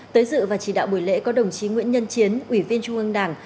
tới dự và chỉ đạo buổi lễ có đồng chí nguyễn nhân chiến ủy viên trung ương đảng